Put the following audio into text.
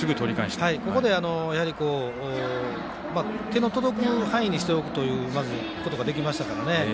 ここで、やはり手の届く範囲にしておくというまず、そういうことができましたからね。